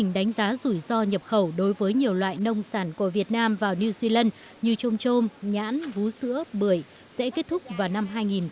đánh giá rủi ro nhập khẩu đối với nhiều loại nông sản của việt nam vào new zealand như trôm trôm nhãn vú sữa bưởi sẽ kết thúc vào năm hai nghìn hai mươi